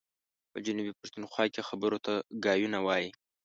په جنوبي پښتونخوا کي خبرو ته ګايونه وايي.